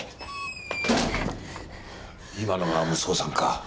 今のが息子さんか。